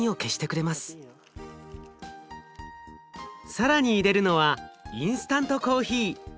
更に入れるのはインスタントコーヒー。